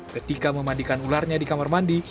ketika memandikan ularnya di kamar mandi